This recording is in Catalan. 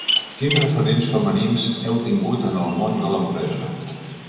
Quins referents femenins heu tingut en el món de l’empresa?